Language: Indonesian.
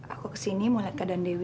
aku kesini mau lihat keadaan dewi